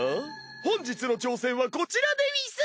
本日の挑戦はこちらでうぃす！